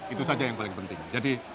itu saja yang paling penting